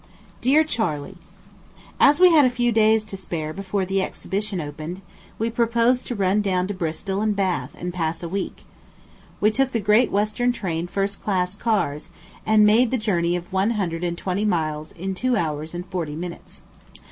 DEAR CHARLEY: As we had a few days to spare before the exhibition opened, we proposed to run down to Bristol and Bath, and pass a week. We took the Great Western train first class ears, and made the journey of one hundred and twenty miles in two hours and forty minutes.